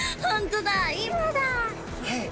はい。